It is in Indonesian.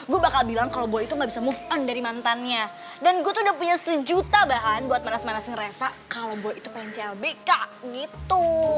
gue bakal bilang kalo boy itu gak bisa move on dari mantannya dan gue tuh udah punya sejuta bahan buat manas manasin reva kalo boy itu pengen clb kak gitu